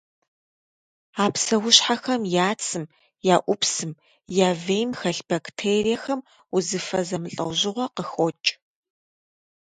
А псэущхьэхэм я цым, я ӏупсым, я вейм хэлъ бактериехэм узыфэ зэмылӏэужьыгъуэ къыхокӏ.